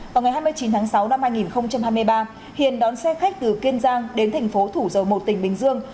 vào ngày hai mươi chín tháng sáu năm hai nghìn hai mươi ba hiền đón xe khách từ kiên giang đến thành phố thủ dầu một tỉnh bình dương